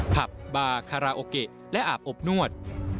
ผับบาคาราโอเกะและอาบอบนวด